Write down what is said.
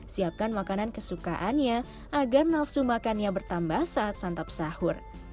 siapkan makanan kesukaannya agar nafsu makannya bertambah saat santap sahur